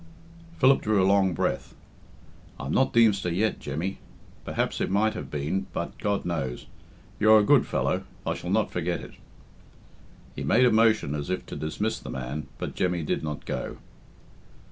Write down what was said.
Phillip drew a long breath. "I am not Deemster yet, Jemmy. Perhaps it might have been... but God knows. You are a good fellow I shall not forget it." He made a motion as if to dismiss the man, but Jemmy did not go.